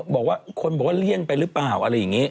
บอกว่าคนบอกว่าเลี่ยนไปหรือเปล่าอะไรอย่างนี้